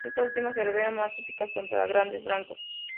Esta última se revela más eficaz contra grandes blancos.